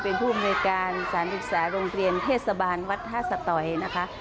เป็นผู้อำนวยการสารศึกษาโรงเรียนเทศบาลวัดท่าสตอยนะคะ